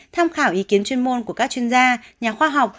tham khảo ý kiến chuyên môn của các chuyên gia nhà khoa học